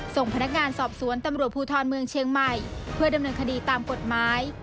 ส่งพนักงานสอบสวนตำรวจภูทรเมืองเชียงใหม่เพื่อดำเนินคดีตามกฎหมาย